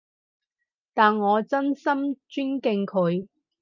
但我真心尊敬佢